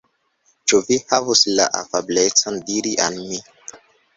Ĉu vi havus la afablecon diri al mi.